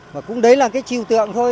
mà cũng đấy là cái chiều tượng thôi